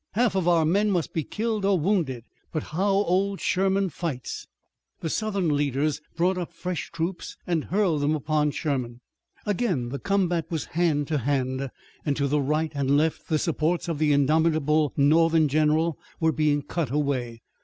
Half of our men must be killed or wounded, but how old Sherman fights!" The Southern leaders brought up fresh troops and hurled them upon Sherman. Again the combat was hand to hand, and to the right and left the supports of the indomitable Northern general were being cut away.